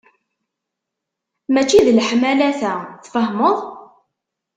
Mačči d leḥmala ta, tfahmeḍ?